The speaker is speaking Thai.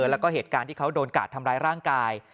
แล้วก็เหตุการณ์ที่เขาโดนกาดทำร้ายร่างกาย